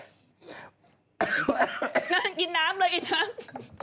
นางกินน้ำเลยอีกทั้ง